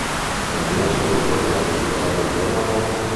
Non è ammesso l'uso della pillola del giorno dopo.